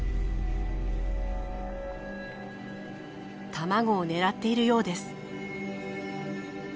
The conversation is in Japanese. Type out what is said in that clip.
卵を狙っているようです。